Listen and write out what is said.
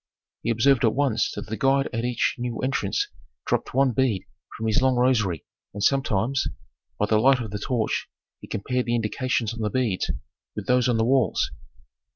He observed at once that the guide at each new entrance dropped one bead from his long rosary, and sometimes, by the light of the torch, he compared the indications on the beads with those on the walls.